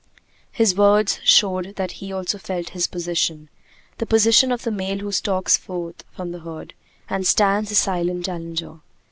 His words showed that he also felt his position, the position of the male who stalks forth from the herd and stands the silent challenger.